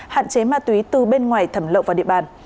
hạn chế ma túy từ bên ngoài thẩm lậu vào địa bàn